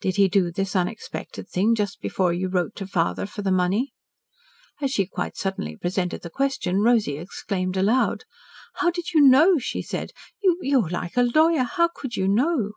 Did he do this unexpected thing just before you wrote to father for the money?" As she quite suddenly presented the question, Rosy exclaimed aloud. "How did you know?" she said. "You you are like a lawyer. How could you know?"